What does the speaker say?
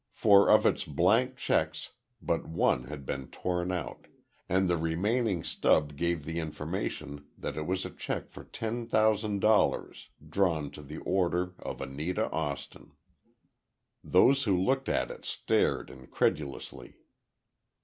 For of its blank checks but one had been torn out, and the remaining stub gave the information that it was a check for ten thousand dollars drawn to the order of Anita Austin. Those who looked at it stared incredulously.